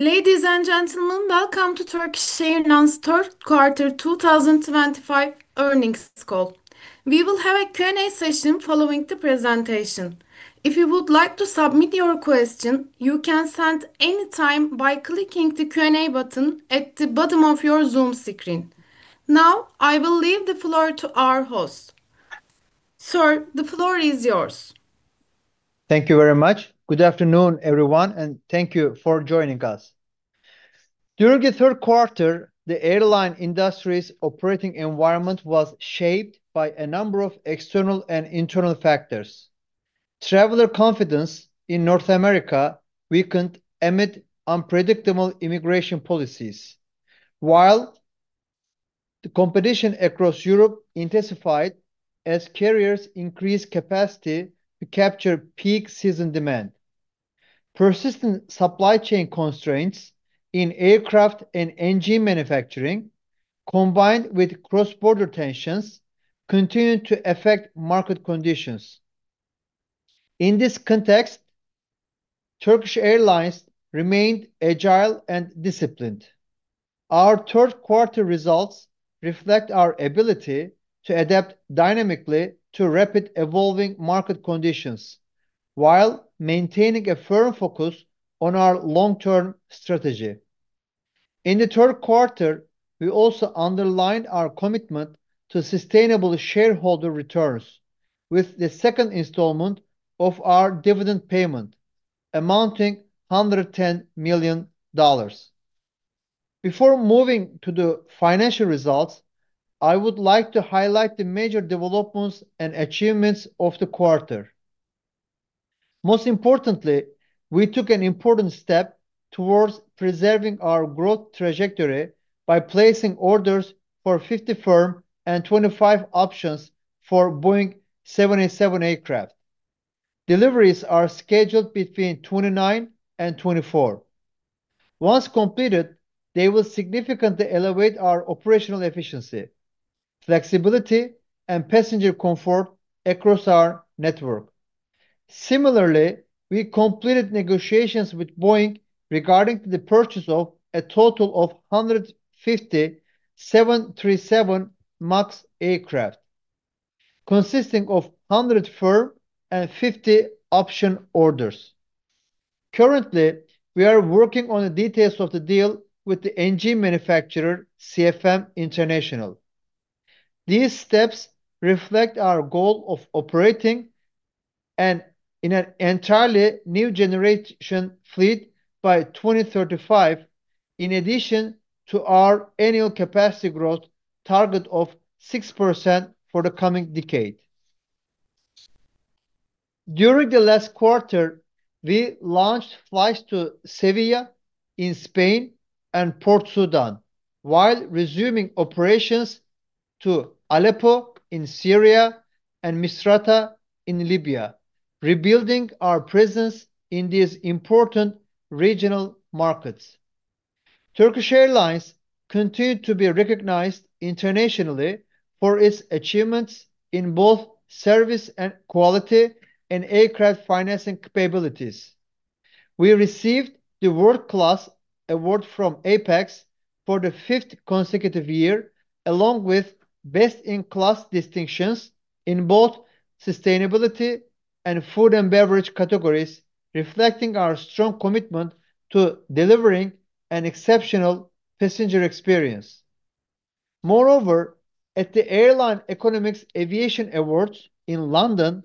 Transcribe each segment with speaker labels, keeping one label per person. Speaker 1: Ladies and gentlemen, welcome to Turkish Airlines' third quarter 2025 earnings call. We will have a Q&A session following the presentation. If you would like to submit your question, you can send anytime by clicking the Q&A button at the bottom of your Zoom screen. Now, I will leave the floor to our host. Sir, the floor is yours.
Speaker 2: Thank you very much. Good afternoon, everyone, and thank you for joining us. During the third quarter, the airline industry's operating environment was shaped by a number of external and internal factors. Traveler confidence in North America weakened amid unpredictable immigration policies, while competition across Europe intensified as carriers increased capacity to capture peak season demand. Persistent supply chain constraints in aircraft and engine manufacturing, combined with cross-border tensions, continued to affect market conditions. In this context, Turkish Airlines remained agile and disciplined. Our third quarter results reflect our ability to adapt dynamically to rapidly evolving market conditions while maintaining a firm focus on our long-term strategy. In the third quarter, we also underlined our commitment to sustainable shareholder returns with the second installment of our dividend payment, amounting to $110 million. Before moving to the financial results, I would like to highlight the major developments and achievements of the quarter. Most importantly, we took an important step towards preserving our growth trajectory by placing orders for 50 firm and 25 options for Boeing 787 aircraft. Deliveries are scheduled between 2029 and 2034. Once completed, they will significantly elevate our operational efficiency, flexibility, and passenger comfort across our network. Similarly, we completed negotiations with Boeing regarding the purchase of a total of 150 737 MAX aircraft, consisting of 100 firm and 50 option orders. Currently, we are working on the details of the deal with the engine manufacturer, CFM International. These steps reflect our goal of operating in an entirely new generation fleet by 2035, in addition to our annual capacity growth target of 6% for the coming decade. During the last quarter, we launched flights to Seville in Spain and Port Sudan, while resuming operations to Aleppo in Syria and Misrata in Libya, rebuilding our presence in these important regional markets. Turkish Airlines continues to be recognized internationally for its achievements in both service and quality and aircraft financing capabilities. We received the World Class award from APEX for the fifth consecutive year, along with Best in Class distinctions in both Sustainability and Food & Beverage categories, reflecting our strong commitment to delivering an exceptional passenger experience. Moreover, at the Airline Economics Aviation Awards in London,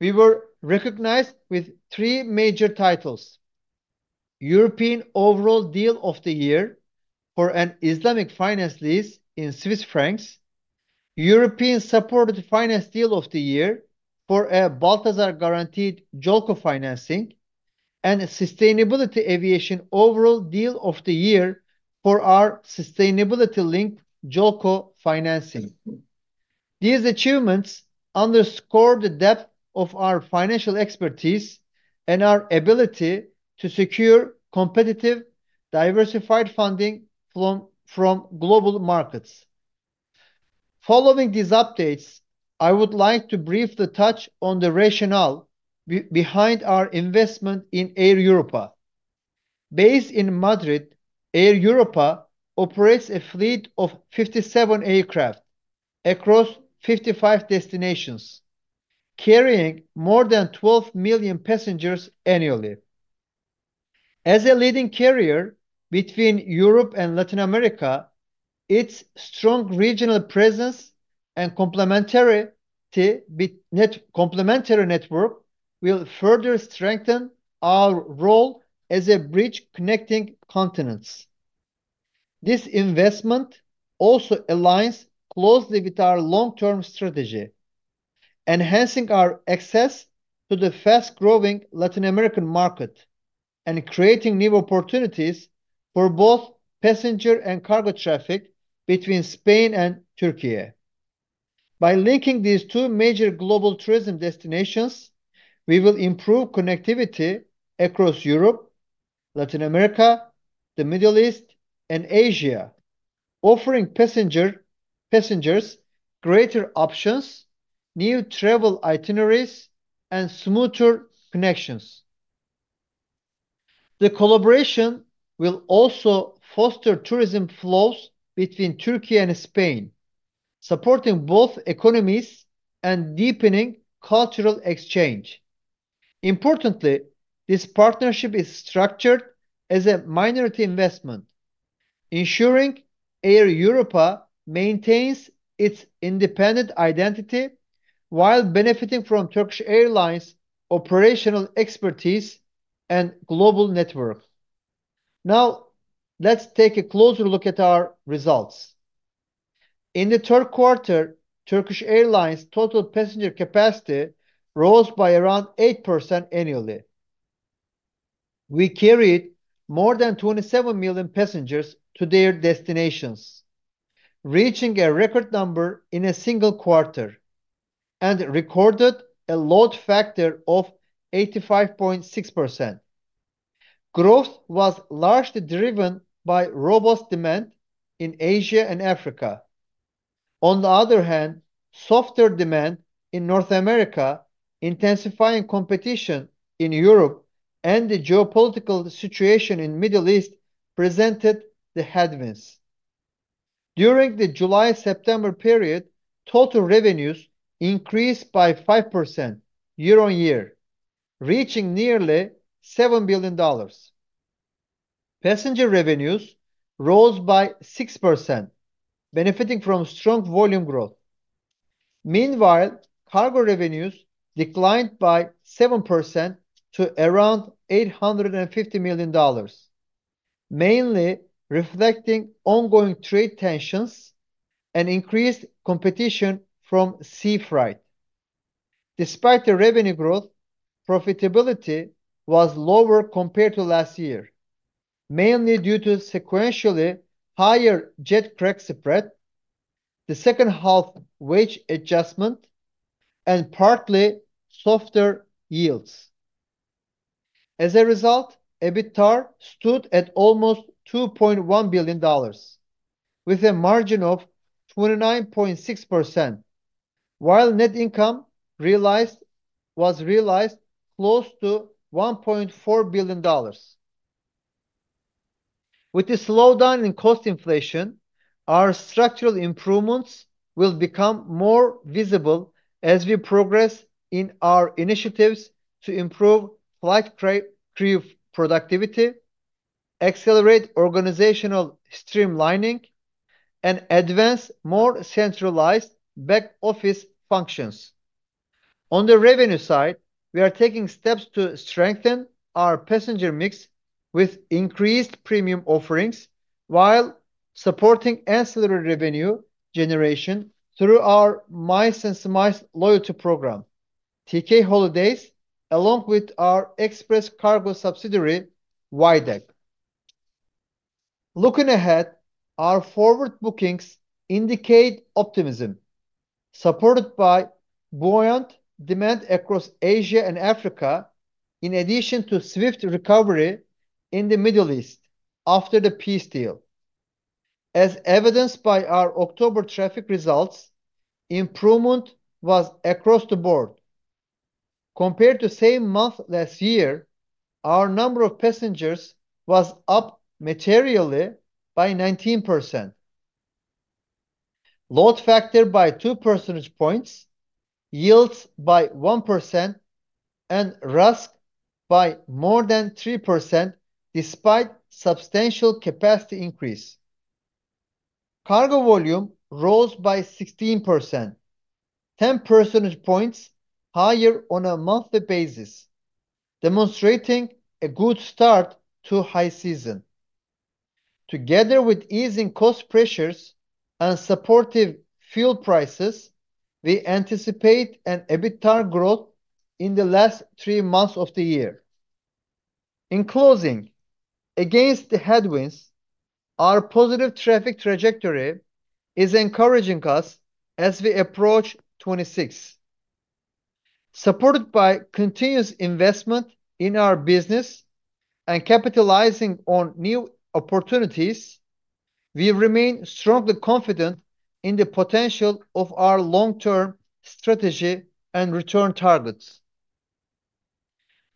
Speaker 2: we were recognized with three major titles: European Overall Deal of the Year for an Islamic finance lease in Swiss francs, European Supported Finance Deal of the Year for a Balthazar-guaranteed JOLCO financing, and Sustainability Aviation Overall Deal of the Year for our Sustainability-linked JOLCO financing. These achievements underscore the depth of our financial expertise and our ability to secure competitive, diversified funding from global markets. Following these updates, I would like to briefly touch on the rationale behind our investment in Air Europa. Based in Madrid, Air Europa operates a fleet of 57 aircraft across 55 destinations, carrying more than 12 million passengers annually. As a leading carrier between Europe and Latin America, its strong regional presence and complementary network will further strengthen our role as a bridge connecting continents. This investment also aligns closely with our long-term strategy, enhancing our access to the fast-growing Latin American market and creating new opportunities for both passenger and cargo traffic between Spain and Türkiye. By linking these two major global tourism destinations, we will improve connectivity across Europe, Latin America, the Middle East, and Asia, offering passengers greater options, new travel itineraries, and smoother connections. The collaboration will also foster tourism flows between Türkiye and Spain, supporting both economies and deepening cultural exchange. Importantly, this partnership is structured as a minority investment, ensuring Air Europa maintains its independent identity while benefiting from Turkish Airlines' operational expertise and global network. Now, let's take a closer look at our results. In the third quarter, Turkish Airlines' total passenger capacity rose by around 8% annually. We carried more than 27 million passengers to their destinations, reaching a record number in a single quarter and recorded a load factor of 85.6%. Growth was largely driven by robust demand in Asia and Africa. On the other hand, softer demand in North America, intensifying competition in Europe, and the geopolitical situation in the Middle East presented the headwinds. During the July-September period, total revenues increased by 5% year-on-year, reaching nearly $7 billion. Passenger revenues rose by 6%, benefiting from strong volume growth. Meanwhile, cargo revenues declined by 7% to around $850 million, mainly reflecting ongoing trade tensions and increased competition from sea freight. Despite the revenue growth, profitability was lower compared to last year, mainly due to sequentially higher jet crack spread, the second-half wage adjustment, and partly softer yields. As a result, EBITDA stood at almost $2.1 billion, with a margin of 29.6%, while net income realized was close to $1.4 billion. With the slowdown in cost inflation, our structural improvements will become more visible as we progress in our initiatives to improve flight crew productivity, accelerate organizational streamlining, and advance more centralized back-office functions. On the revenue side, we are taking steps to strengthen our passenger mix with increased premium offerings while supporting ancillary revenue generation through our Miles&Smiles loyalty program, TK Holidays, along with our express cargo subsidiary, Widect. Looking ahead, our forward bookings indicate optimism, supported by buoyant demand across Asia and Africa, in addition to swift recovery in the Middle East after the peace deal. As evidenced by our October traffic results, improvement was across the board. Compared to the same month last year, our number of passengers was up materially by 19%. Load factor by 2 percentage points, yields by 1%, and RASK by more than 3% despite substantial capacity increase. Cargo volume rose by 16%, 10 percentage points higher on a monthly basis, demonstrating a good start to high season. Together with easing cost pressures and supportive fuel prices, we anticipate an EBITDAR growth in the last three months of the year. In closing, against the headwinds, our positive traffic trajectory is encouraging us as we approach 2026. Supported by continuous investment in our business and capitalizing on new opportunities, we remain strongly confident in the potential of our long-term strategy and return targets.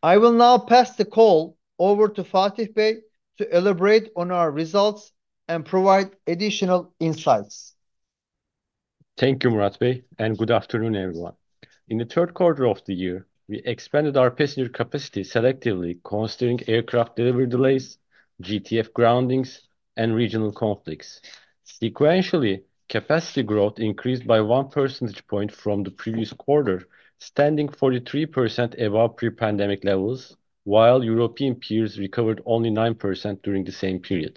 Speaker 2: I will now pass the call over to Fatih Bey to elaborate on our results and provide additional insights.
Speaker 3: Thank you, Murat Bey, and good afternoon, everyone. In the third quarter of the year, we expanded our passenger capacity selectively, considering aircraft delivery delays, GTF groundings, and regional conflicts. Sequentially, capacity growth increased by 1 percentage point from the previous quarter, standing 43% above pre-pandemic levels, while European peers recovered only 9% during the same period.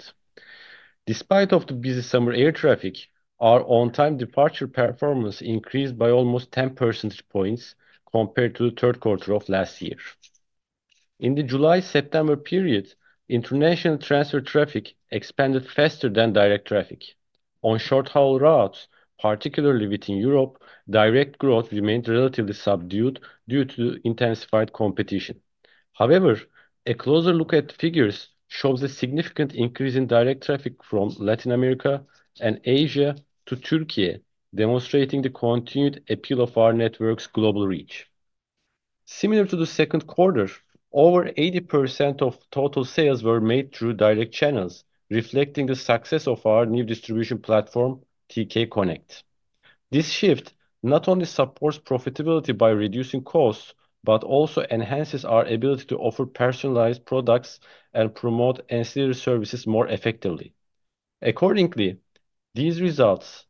Speaker 3: Despite the busy summer air traffic, our on-time departure performance increased by almost 10 percentage points compared to the third quarter of last year. In the July-September period, international transfer traffic expanded faster than direct traffic. On short-haul routes, particularly within Europe, direct growth remained relatively subdued due to intensified competition. However, a closer look at the figures shows a significant increase in direct traffic from Latin America and Asia to Türkiye, demonstrating the continued appeal of our network's global reach. Similar to the second quarter, over 80% of total sales were made through direct channels, reflecting the success of our new distribution platform, TKCONNECT. This shift not only supports profitability by reducing costs but also enhances our ability to offer personalized products and promote ancillary services more effectively. Accordingly, this results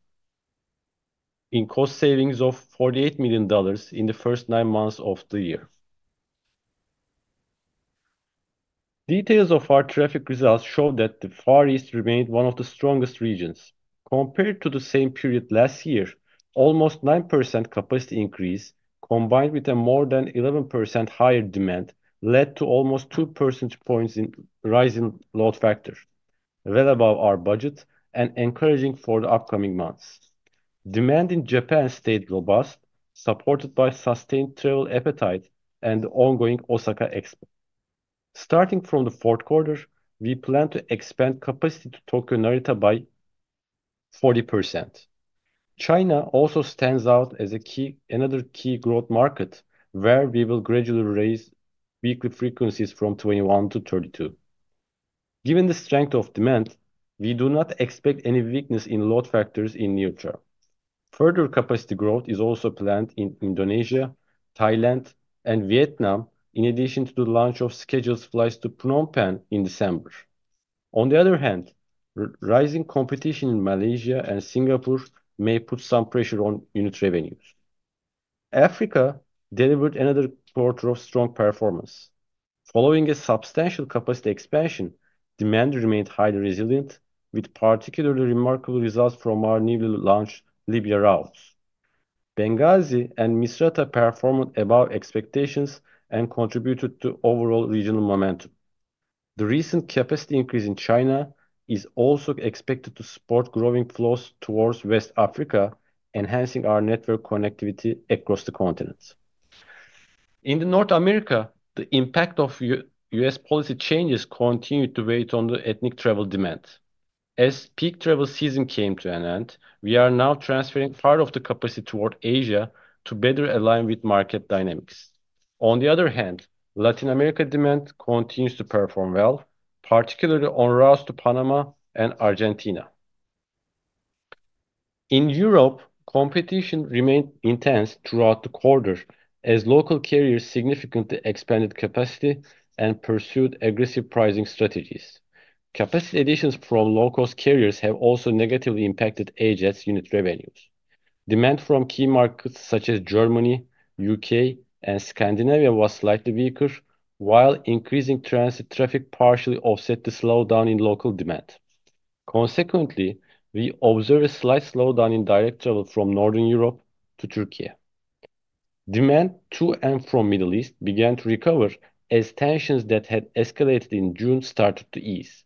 Speaker 3: in cost savings of $48 million in the first nine months of the year. Details of our traffic results show that the Far East remained one of the strongest regions. Compared to the same period last year, almost 9% capacity increase, combined with a more than 11% higher demand, led to almost 2 percentage points in rising load factor, well above our budget and encouraging for the upcoming months. Demand in Japan stayed robust, supported by sustained travel appetite and the ongoing Osaka Expo. Starting from the fourth quarter, we plan to expand capacity to Tokyo Narita by 40%. China also stands out as another key growth market, where we will gradually raise weekly frequencies from 21 to 32. Given the strength of demand, we do not expect any weakness in load factors in the near term. Further capacity growth is also planned in Indonesia, Thailand, and Vietnam, in addition to the launch of scheduled flights to Phnom Penh in December. On the other hand, rising competition in Malaysia and Singapore may put some pressure on unit revenues. Africa delivered another quarter of strong performance. Following a substantial capacity expansion, demand remained highly resilient, with particularly remarkable results from our newly launched Libya routes. Benghazi and Misrata performed above expectations and contributed to overall regional momentum. The recent capacity increase in China is also expected to support growing flows towards West Africa, enhancing our network connectivity across the continent. In North America, the impact of U.S. policy changes continued to weigh on the ethnic travel demand. As peak travel season came to an end, we are now transferring part of the capacity toward Asia to better align with market dynamics. On the other hand, Latin America demand continues to perform well, particularly on routes to Panama and Argentina. In Europe, competition remained intense throughout the quarter as local carriers significantly expanded capacity and pursued aggressive pricing strategies. Capacity additions from low-cost carriers have also negatively impacted AJet's unit revenues. Demand from key markets such as Germany, the U.K., and Scandinavia was slightly weaker, while increasing transit traffic partially offset the slowdown in local demand. Consequently, we observe a slight slowdown in direct travel from Northern Europe to Türkiye. Demand to and from the Middle East began to recover as tensions that had escalated in June started to ease.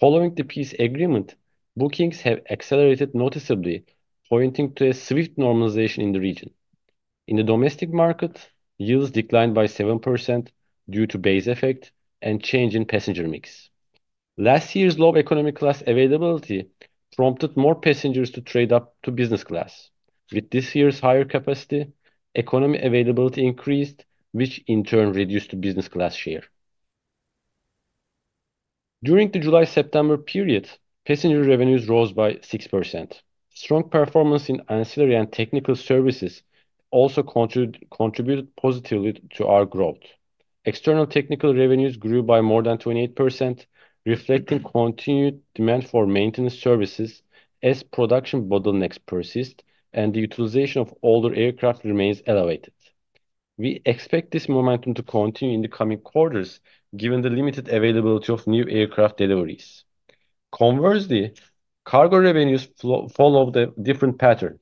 Speaker 3: Following the peace agreement, bookings have accelerated noticeably, pointing to a swift normalization in the region. In the domestic market, yields declined by 7% due to base effect and change in passenger mix. Last year's low economy class availability prompted more passengers to trade up to business class. With this year's higher capacity, economy availability increased, which in turn reduced the business class share. During the July-September period, passenger revenues rose by 6%. Strong performance in ancillary and technical services also contributed positively to our growth. External technical revenues grew by more than 28%, reflecting continued demand for maintenance services as production bottlenecks persist and the utilization of older aircraft remains elevated. We expect this momentum to continue in the coming quarters, given the limited availability of new aircraft deliveries. Conversely, cargo revenues followed a different pattern.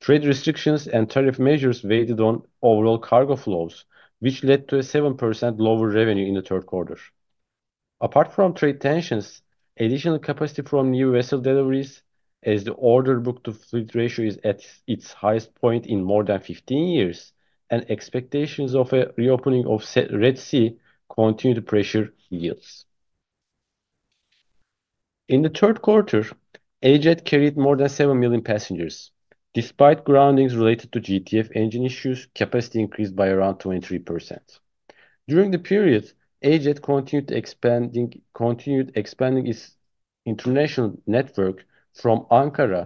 Speaker 3: Trade restrictions and tariff measures weighed on overall cargo flows, which led to a 7% lower revenue in the third quarter. Apart from trade tensions, additional capacity from new vessel deliveries, as the order-book-to-fleet ratio is at its highest point in more than 15 years, and expectations of a reopening of the Red Sea continue to pressure yields. In the third quarter, AJet carried more than 7 million passengers. Despite groundings related to GTF engine issues, capacity increased by around 23%. During the period, AJet continued expanding its international network from Ankara,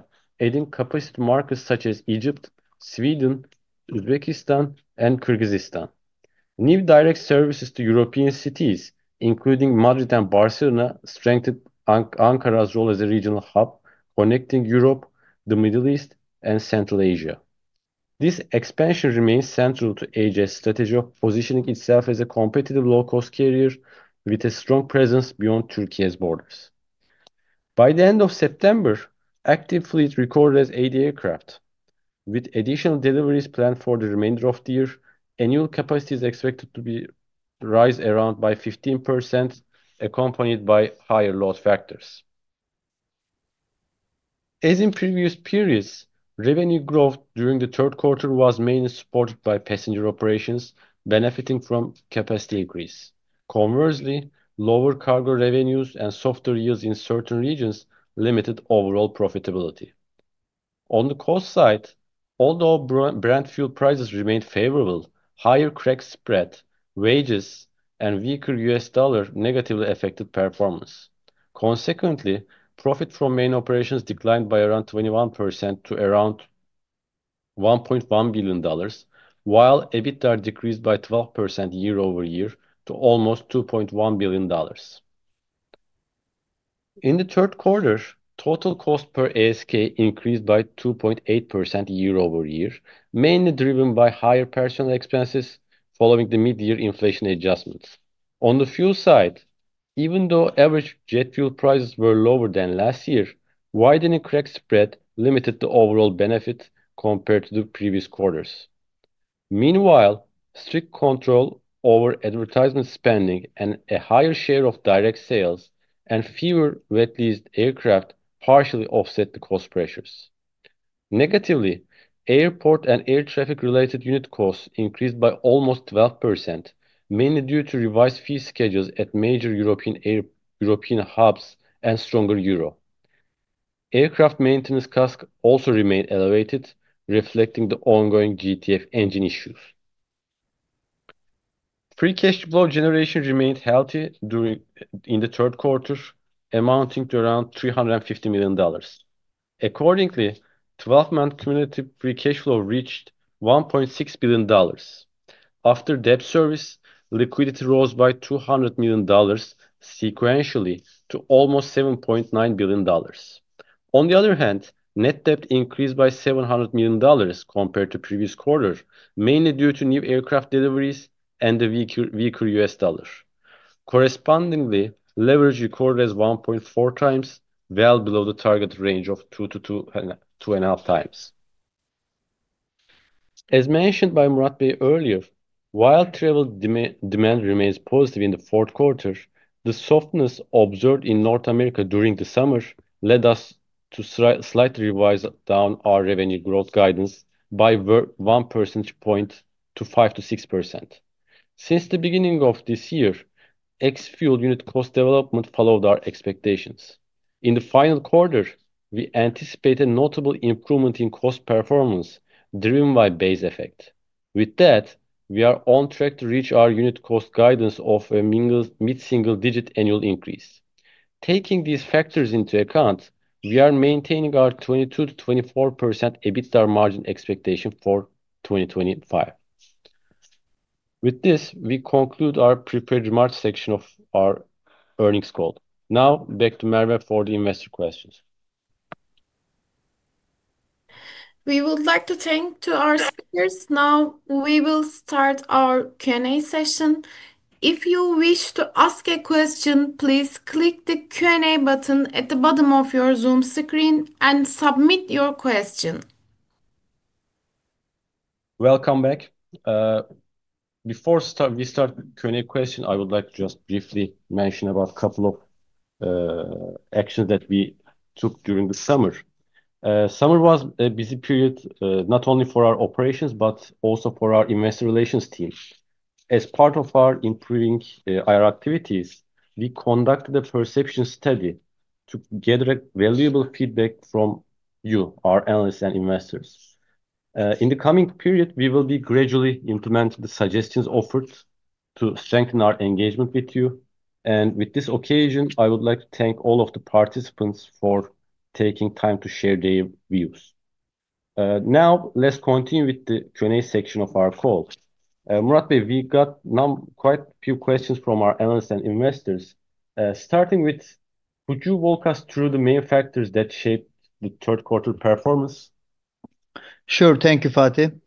Speaker 3: adding capacity markers such as Egypt, Sweden, Uzbekistan, and Kyrgyzstan. New direct services to European cities, including Madrid and Barcelona, strengthened Ankara's role as a regional hub, connecting Europe, the Middle East, and Central Asia. This expansion remains central to AJet's strategy of positioning itself as a competitive low-cost carrier with a strong presence beyond Türkiye's borders. By the end of September, active fleet recorded as 80 aircraft. With additional deliveries planned for the remainder of the year, annual capacity is expected to rise by around 15%, accompanied by higher load factors. As in previous periods, revenue growth during the third quarter was mainly supported by passenger operations, benefiting from capacity increase. Conversely, lower cargo revenues and softer yields in certain regions limited overall profitability. On the cost side, although brand fuel prices remained favorable, higher crack spread, wages, and weaker U.S. dollar negatively affected performance. Consequently, profit from main operations declined by around 21% to around $1.1 billion, while EBITDAR decreased by 12% year-over-year to almost $2.1 billion. In the third quarter, total cost per ASK increased by 2.8% year-over-year, mainly driven by higher personnel expenses following the mid-year inflation adjustments. On the fuel side, even though average jet fuel prices were lower than last year, widening crack spread limited the overall benefit compared to the previous quarters. Meanwhile, strict control over advertisement spending and a higher share of direct sales and fewer rent-leased aircraft partially offset the cost pressures. Negatively, airport and air traffic-related unit costs increased by almost 12%, mainly due to revised fleet schedules at major European hubs and stronger euro. Aircraft maintenance costs also remained elevated, reflecting the ongoing GTF engine issues. Free cash flow generation remained healthy during the third quarter, amounting to around $350 million. Accordingly, 12-month cumulative free cash flow reached $1.6 billion. After debt service, liquidity rose by $200 million, sequentially to almost $7.9 billion. On the other hand, net debt increased by $700 million compared to the previous quarter, mainly due to new aircraft deliveries and the weaker U.S. dollar. Correspondingly, leverage recorded as 1.4x, well below the target range of 2x-2.5x. As mentioned by Murat Bey earlier, while travel demand remains positive in the fourth quarter, the softness observed in North America during the summer led us to slightly revise down our revenue growth guidance by 1 percentage point to 5%-6%. Since the beginning of this year, ex-fuel unit cost development followed our expectations. In the final quarter, we anticipated a notable improvement in cost performance driven by base effect. With that, we are on track to reach our unit cost guidance of a mid-single-digit annual increase. Taking these factors into account, we are maintaining our 22%-24% EBITDA margin expectation for 2025. With this, we conclude our prepared remarks section of our earnings call. Now, back to Merve for the investor questions.
Speaker 1: We would like to thank our speakers. Now, we will start our Q&A session. If you wish to ask a question, please click the Q&A button at the bottom of your Zoom screen and submit your question.
Speaker 3: Welcome back. Before we start the Q&A question, I would like to just briefly mention a couple of actions that we took during the summer. Summer was a busy period not only for our operations but also for our investor relations team. As part of our improving IR activities, we conducted a perception study to gather valuable feedback from you, our analysts and investors. In the coming period, we will gradually implement the suggestions offered to strengthen our engagement with you. With this occasion, I would like to thank all of the participants for taking time to share their views. Now, let's continue with the Q&A section of our call. Murat Bey, we got quite a few questions from our analysts and investors. Starting with, could you walk us through the main factors that shaped the third-quarter performance?
Speaker 2: Sure. Thank you, Fatih.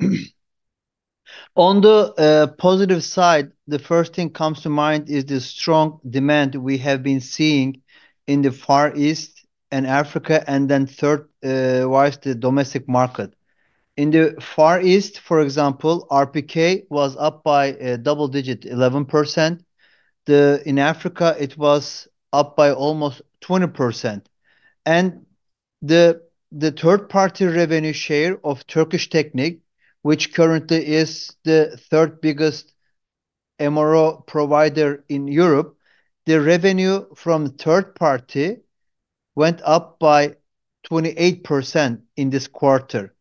Speaker 2: On the positive side, the first thing that comes to mind is the strong demand we have been seeing in the Far East and Africa, and then third-wise the domestic market. In the Far East, for example, RPK was up by a double-digit 11%. In Africa, it was up by almost 20%. The third-party revenue share of Turkish Technic, which currently is the third biggest MRO provider in Europe, the revenue from third-party went up by 28% in this quarter.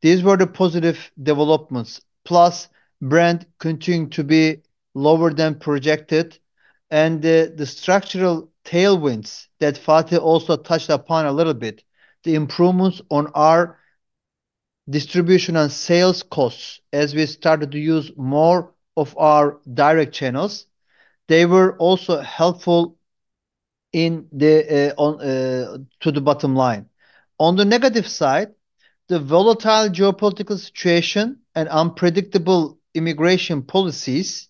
Speaker 2: These were the positive developments. Plus, brand continued to be lower than projected. The structural tailwinds that Fatih also touched upon a little bit, the improvements on our distribution and sales costs as we started to use more of our direct channels, they were also helpful to the bottom line. On the negative side, the volatile geopolitical situation and unpredictable immigration policies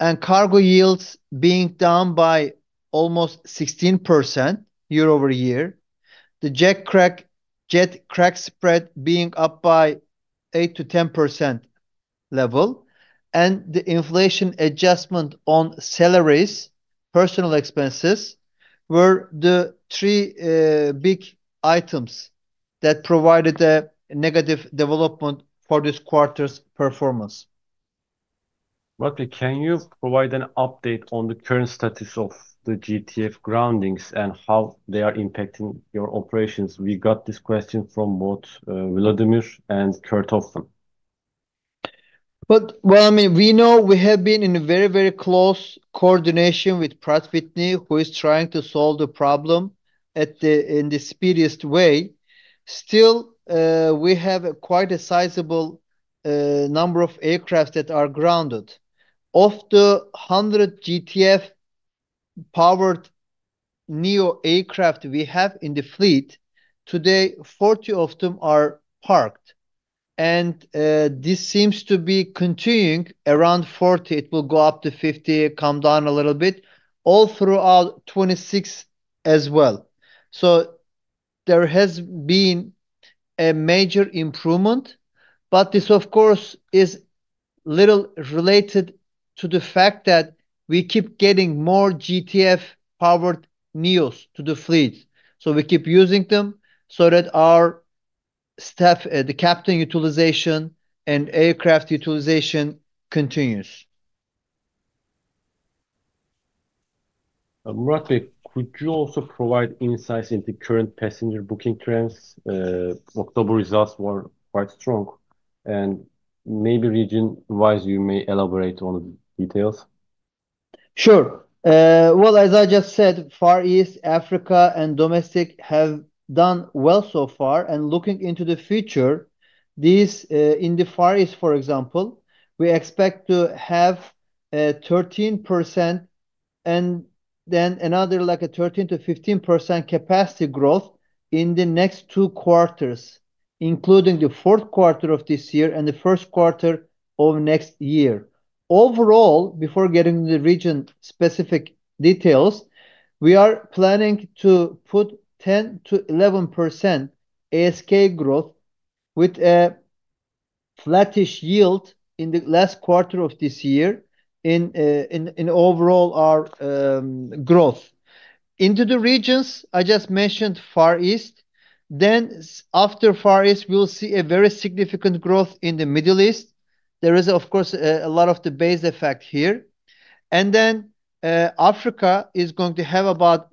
Speaker 2: and cargo yields being down by almost 16% year-over-year, the jet crack spread being up by 8%-10% level, and the inflation adjustment on salaries, personal expenses, were the three big items that provided a negative development for this quarter's performance.
Speaker 3: Murat Bey, can you provide an update on the current status of the GTF groundings and how they are impacting your operations? We got this question from both Vladimir and Kurt Hofmann.
Speaker 2: I mean, we know we have been in very, very close coordination with Pratt & Whitney, who is trying to solve the problem in the speediest way. Still, we have quite a sizable number of aircraft that are grounded. Of the 100 GTF-powered NEO aircraft we have in the fleet, today, 40 of them are parked. This seems to be continuing; around 40, it will go up to 50, come down a little bit, all throughout 2026 as well. There has been a major improvement. This, of course, is a little related to the fact that we keep getting more GTF-powered NEOs to the fleet. We keep using them so that our staff, the captain utilization, and aircraft utilization continues.
Speaker 3: Murat Bey, could you also provide insights into current passenger booking trends? October results were quite strong. Maybe region-wise, you may elaborate on the details.
Speaker 2: Sure. As I just said, Far East, Africa, and domestic have done well so far. Looking into the future, in the Far East, for example, we expect to have 13% and then another 13%-15% capacity growth in the next two quarters, including the fourth quarter of this year and the first quarter of next year. Overall, before getting into the region-specific details, we are planning to put 10%-11% ASK growth with a flattish yield in the last quarter of this year in overall our growth. Into the regions, I just mentioned Far East. After Far East, we'll see a very significant growth in the Middle East. There is, of course, a lot of the base effect here. Africa is going to have about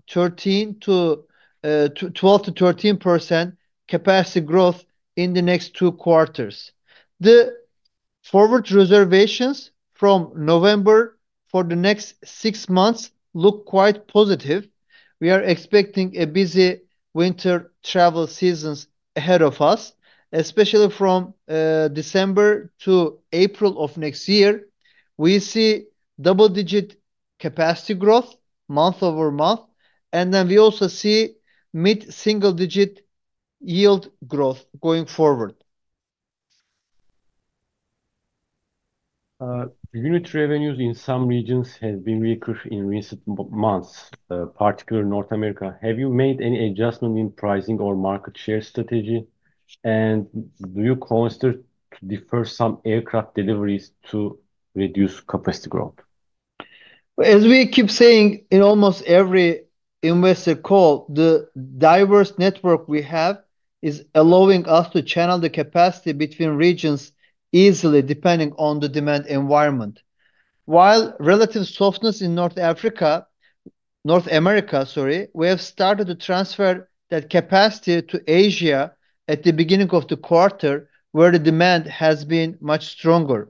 Speaker 2: 12%-13% capacity growth in the next two quarters. The forward reservations from November for the next six months look quite positive. We are expecting a busy winter travel season ahead of us, especially from December to April of next year. We see double-digit capacity growth month over month. We also see mid-single-digit yield growth going forward.
Speaker 3: Unit revenues in some regions have been weaker in recent months, particularly North America. Have you made any adjustment in pricing or market share strategy? Do you consider to defer some aircraft deliveries to reduce capacity growth?
Speaker 2: As we keep saying in almost every investor call, the diverse network we have is allowing us to channel the capacity between regions easily, depending on the demand environment. While relative softness in North Africa, North America, sorry, we have started to transfer that capacity to Asia at the beginning of the quarter, where the demand has been much stronger.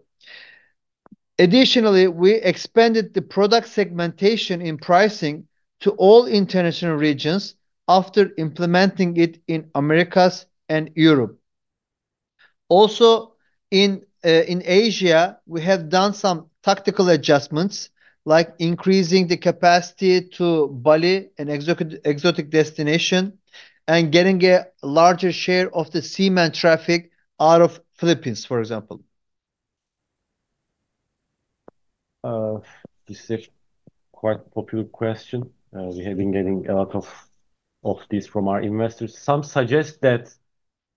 Speaker 2: Additionally, we expanded the product segmentation in pricing to all international regions after implementing it in Americas and Europe. Also, in Asia, we have done some tactical adjustments, like increasing the capacity to Bali and exotic destinations and getting a larger share of the seaman traffic out of the Philippines, for example.
Speaker 3: This is a quite popular question. We have been getting a lot of these from our investors. Some suggest that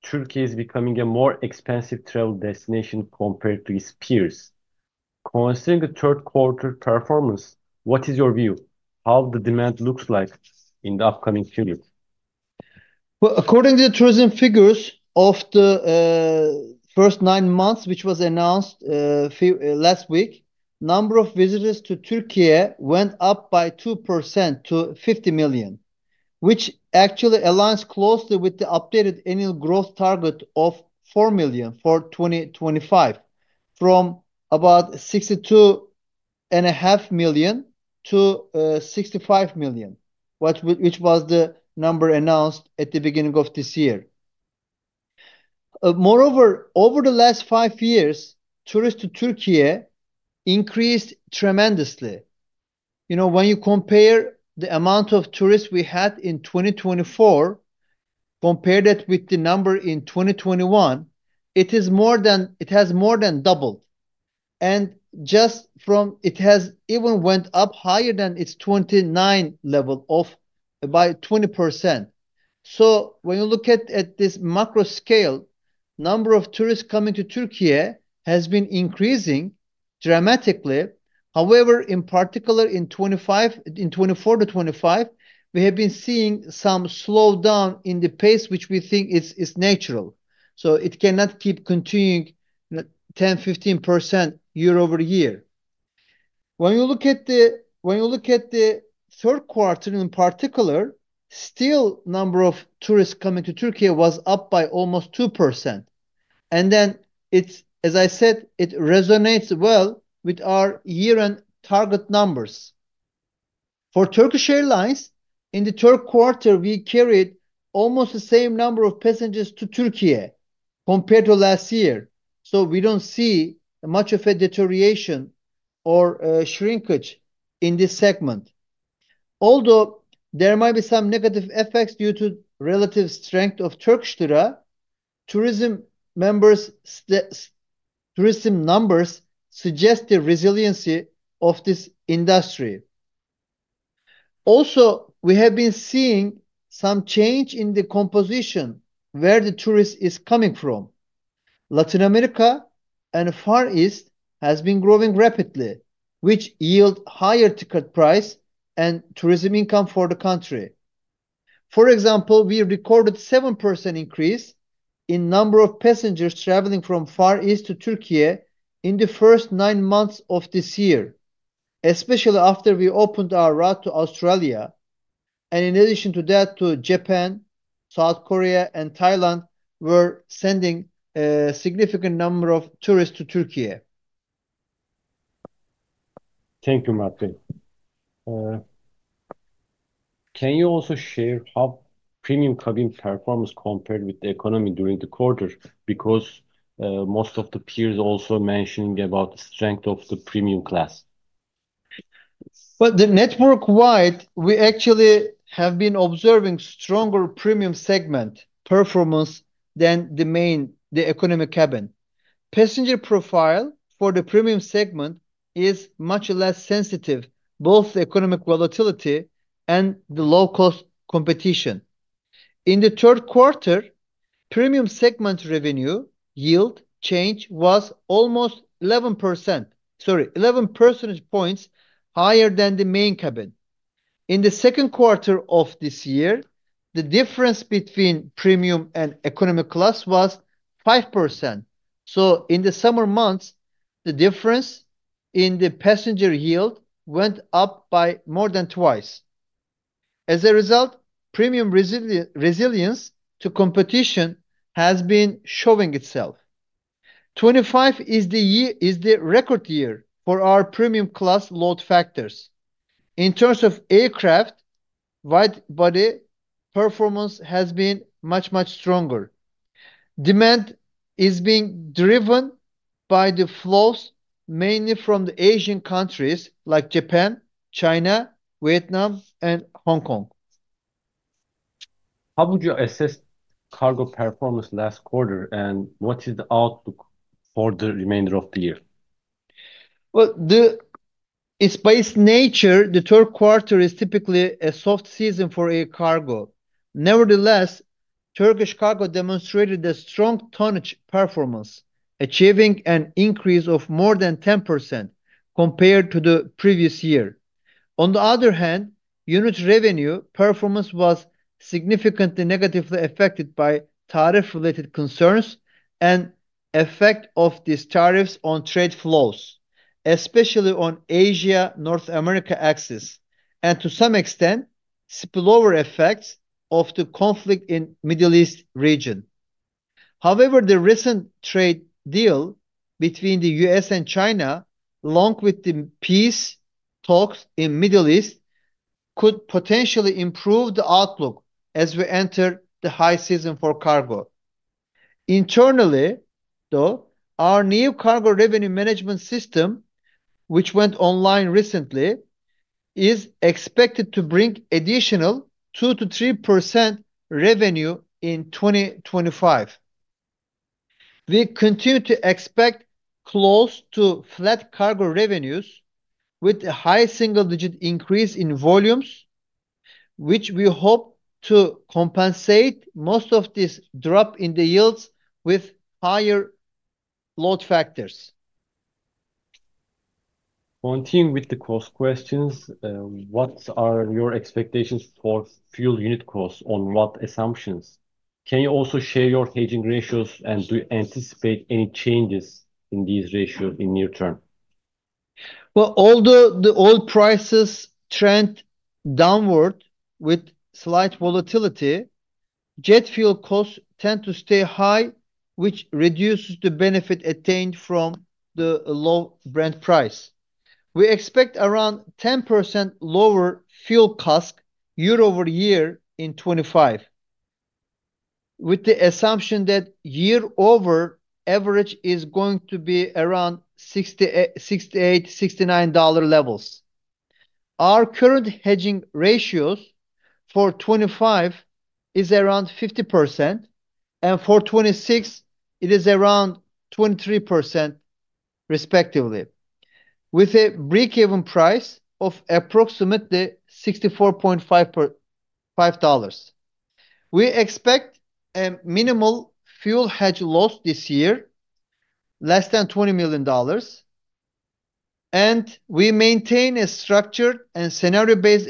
Speaker 3: Türkiye is becoming a more expensive travel destination compared to its peers. Considering the third-quarter performance, what is your view? How does the demand look like in the upcoming period?
Speaker 2: According to the tourism figures of the first nine months, which was announced last week, the number of visitors to Türkiye went up by 2% to 50 million, which actually aligns closely with the updated annual growth target of 4 million for 2025, from about 62.5 million to 65 million, which was the number announced at the beginning of this year. Moreover, over the last five years, tourists to Türkiye increased tremendously. When you compare the amount of tourists we had in 2024 compared with the number in 2021, it has more than doubled. Just from it has even went up higher than its 2019 level by 20%. When you look at this macro scale, the number of tourists coming to Türkiye has been increasing dramatically. However, in particular, in 2024 to 2025, we have been seeing some slowdown in the pace, which we think is natural. It cannot keep continuing 10%-15% year-over-year. When you look at the third quarter in particular, still the number of tourists coming to Türkiye was up by almost 2%. As I said, it resonates well with our year-end target numbers. For Turkish Airlines, in the third quarter, we carried almost the same number of passengers to Türkiye compared to last year. We do not see much of a deterioration or shrinkage in this segment. Although there might be some negative effects due to the relative strength of Turkish Lira, tourism numbers suggest the resiliency of this industry. Also, we have been seeing some change in the composition where the tourist is coming from. Latin America and Far East have been growing rapidly, which yields higher ticket prices and tourism income for the country. For example, we recorded a 7% increase in the number of passengers traveling from Far East to Türkiye in the first nine months of this year, especially after we opened our route to Australia. In addition to that, Japan, South Korea, and Thailand were sending a significant number of tourists to Türkiye.
Speaker 3: Thank you, Murat Bey. Can you also share how premium cabin performance compared with the economy during the quarter? Because most of the peers also mentioned about the strength of the premium class.
Speaker 2: Network-wide, we actually have been observing stronger premium segment performance than the economy cabin. Passenger profile for the premium segment is much less sensitive, both to economic volatility and the low-cost competition. In the third quarter, premium segment revenue yield change was almost 11 percentage points higher than the main cabin. In the second quarter of this year, the difference between premium and economy class was 5%. In the summer months, the difference in the passenger yield went up by more than twice. As a result, premium resilience to competition has been showing itself. 2025 is the record year for our premium class load factors. In terms of aircraft, wide-body performance has been much, much stronger. Demand is being driven by the flows, mainly from the Asian countries like Japan, China, Vietnam, and Hong Kong.
Speaker 3: How would you assess cargo performance last quarter? What is the outlook for the remainder of the year?
Speaker 2: By its nature, the third quarter is typically a soft season for air cargo. Nevertheless, Turkish Cargo demonstrated a strong tonnage performance, achieving an increase of more than 10% compared to the previous year. On the other hand, unit revenue performance was significantly negatively affected by tariff-related concerns and the effect of these tariffs on trade flows, especially on the Asia-North America axis, and to some extent, spillover effects of the conflict in the Middle East region. However, the recent trade deal between the U.S. and China, along with the peace talks in the Middle East, could potentially improve the outlook as we enter the high season for cargo. Internally, though, our new cargo revenue management system, which went online recently, is expected to bring an additional 2%-3% revenue in 2025. We continue to expect close to flat cargo revenues with a high single-digit increase in volumes, which we hope to compensate most of this drop in the yields with higher load factors.
Speaker 3: Continuing with the cost questions, what are your expectations for fuel unit costs on what assumptions? Can you also share your staging ratios and do you anticipate any changes in these ratios in the near term?
Speaker 2: Although the oil prices trend downward with slight volatility, jet fuel costs tend to stay high, which reduces the benefit attained from the low Brent price. We expect around 10% lower fuel costs year-over-year in 2025, with the assumption that year-over-average is going to be around $68-$69 levels. Our current hedging ratios for 2025 is around 50%, and for 2026, it is around 23%, respectively, with a break-even price of approximately $64.5. We expect a minimal fuel hedge loss this year, less than $20 million. We maintain a structured and scenario-based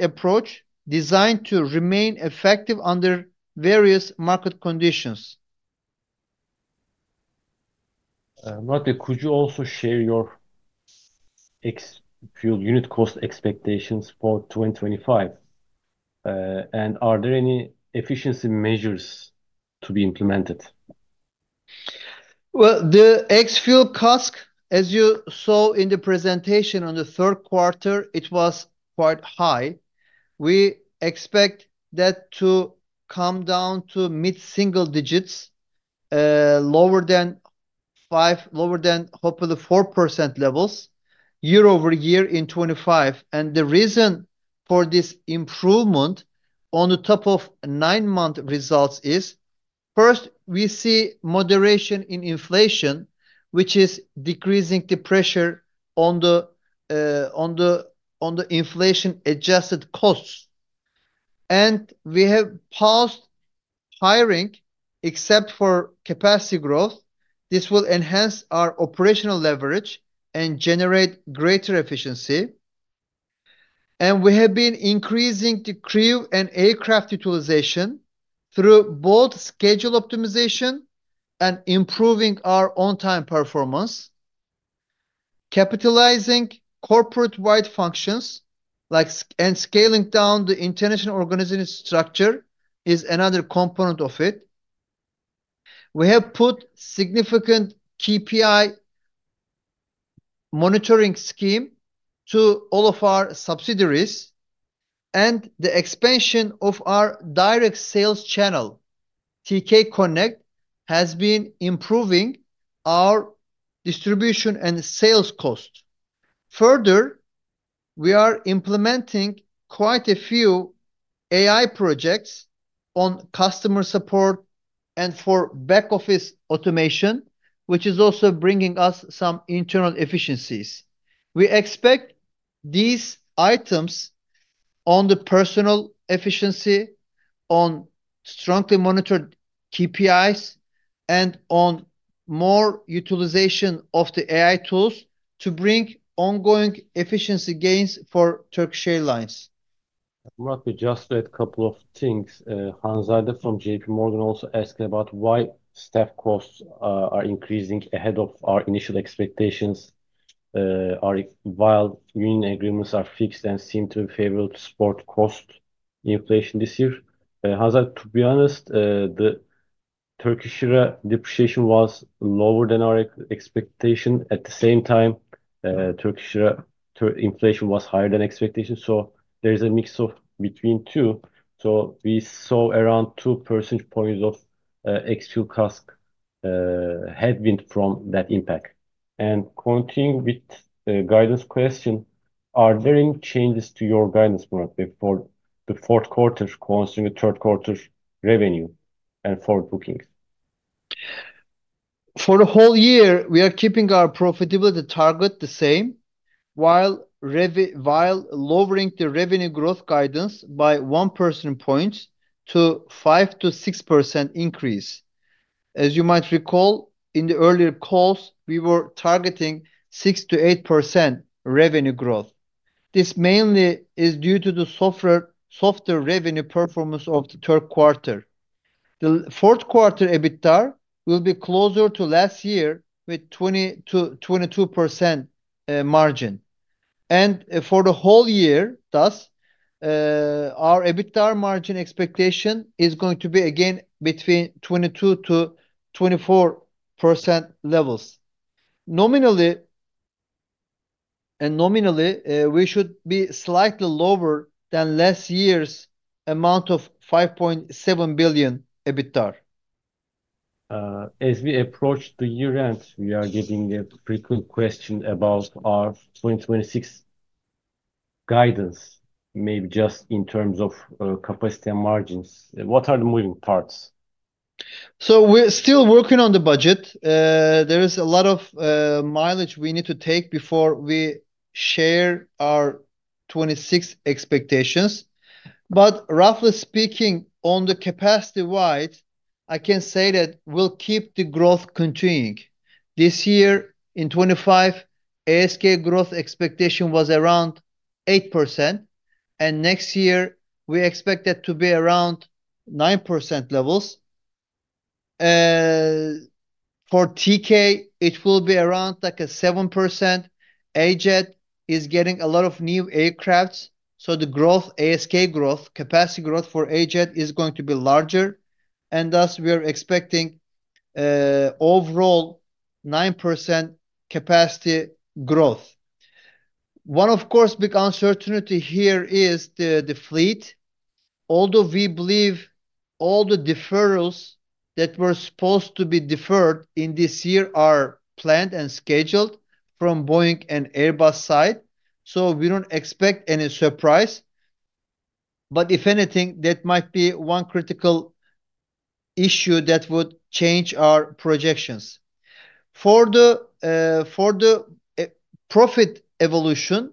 Speaker 2: approach designed to remain effective under various market conditions.
Speaker 3: Murat Bey, could you also share your ex-fuel unit cost expectations for 2025? Are there any efficiency measures to be implemented?
Speaker 2: The ex-fuel costs, as you saw in the presentation on the third quarter, it was quite high. We expect that to come down to mid-single digits, lower than 5%, lower than, hopefully, 4% levels year-over-year in 2025. The reason for this improvement on the top of nine-month results is, first, we see moderation in inflation, which is decreasing the pressure on the inflation-adjusted costs. We have paused hiring, except for capacity growth. This will enhance our operational leverage and generate greater efficiency. We have been increasing the crew and aircraft utilization through both schedule optimization and improving our on-time performance. Capitalizing corporate-wide functions and scaling down the international organizing structure is another component of it. We have put significant KPI monitoring schemes to all of our subsidiaries. The expansion of our direct sales channel, TKCONNECT, has been improving our distribution and sales costs. Further, we are implementing quite a few AI projects on customer support and for back-office automation, which is also bringing us some internal efficiencies. We expect these items on the personal efficiency, on strongly monitored KPIs, and on more utilization of the AI tools to bring ongoing efficiency gains for Turkish Airlines.
Speaker 3: Murat Bey, just a couple of things. Hanzade from JPMorgan also asked about why staff costs are increasing ahead of our initial expectations, while union agreements are fixed and seem to be favorable to support cost inflation this year? Hanzade, to be honest, the Turkish lira depreciation was lower than our expectation. At the same time, Turkish lira inflation was higher than expectation. There is a mix between two. We saw around 2 percentage points of actual costs headwind from that impact. Continuing with the guidance question, are there any changes to your guidance, Murat Bey, for the fourth quarter concerning the third quarter revenue and forward bookings?
Speaker 2: For the whole year, we are keeping our profitability target the same, while lowering the revenue growth guidance by 1 percentage point to a 5%-6% increase. As you might recall, in the earlier calls, we were targeting 6%-8% revenue growth. This mainly is due to the softer revenue performance of the third quarter. The fourth quarter EBITDAR will be closer to last year with a 20%-22% margin. For the whole year, thus, our EBITDAR margin expectation is going to be again between 22%-24% levels. Nominally, we should be slightly lower than last year's amount of $5.7 billion EBITDAR.
Speaker 3: As we approach the year-end, we are getting a frequent question about our 2026 guidance, maybe just in terms of capacity and margins. What are the moving parts?
Speaker 2: We're still working on the budget. There is a lot of mileage we need to take before we share our 2026 expectations. Roughly speaking, on the capacity-wide, I can say that we'll keep the growth continuing. This year, in 2025, ASK growth expectation was around 8%. Next year, we expect that to be around 9% levels. For TK, it will be around like 7%. AJet is getting a lot of new aircraft. The growth, ASK growth, capacity growth for AJet is going to be larger. Thus, we are expecting overall 9% capacity growth. One, of course, big uncertainty here is the fleet. Although we believe all the deferrals that were supposed to be deferred in this year are planned and scheduled from Boeing and Airbus' side, we don't expect any surprise. If anything, that might be one critical issue that would change our projections. For the profit evolution,